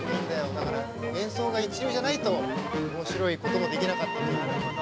だから演奏が一流じゃないと面白いこともできなかったという。